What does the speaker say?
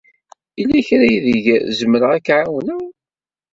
Yella kra aydeg zemreɣ ad k-ɛawneɣ?